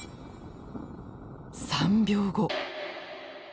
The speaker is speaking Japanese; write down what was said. ３秒後。